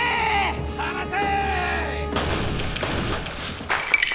放て！